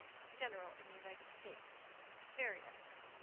General in the United States. VARIOUS.